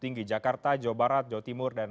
tinggi jakarta jawa barat jawa timur dan